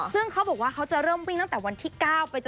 ซึ่งเขาบอกว่าจะเริ่มวิ่งตั้งจากวันที่๙